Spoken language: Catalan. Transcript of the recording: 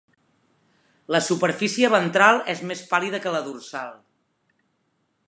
La superfície ventral és més pàl·lida que la dorsal.